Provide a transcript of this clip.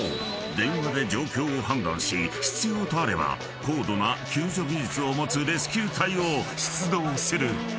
電話で状況を判断し必要とあれば高度な救助技術を持つレスキュー隊を出動する］